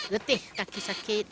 retih kaki sakit